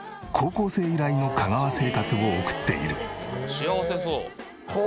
幸せそう。